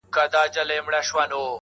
• مړې سي عاطفې هلته ضمیر خبري نه کوي,